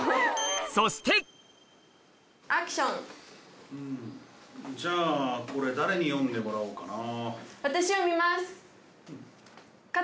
そしてじゃあこれ誰に読んでもらおうかな？